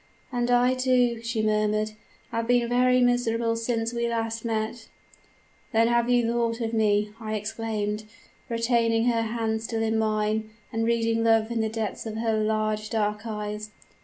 "'And I, too,' she murmured, 'have been very miserable since we last met.' "'Then you have thought of me?' I exclaimed, retaining her hand still in mine, and reading love in the depths of her large dark eyes.